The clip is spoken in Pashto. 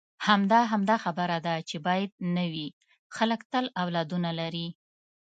همدا، همدا خبره ده چې باید نه وي، خلک تل اولادونه لري.